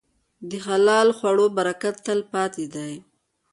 د حلال خوړو برکت تل پاتې دی.